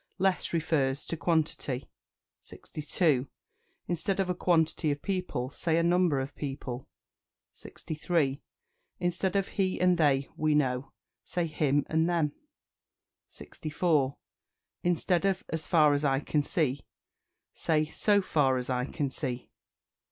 Less refers to quantity. 62. Instead of "A quantity of people," say "A number of people." 63. Instead of "He and they we know," say "Him and them." 64. Instead of "As far as I can see," say "So far as I can see."